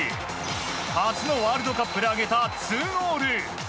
初のワールドカップで挙げた２ゴール。